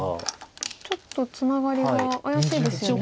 ちょっとツナガリが怪しいですよね。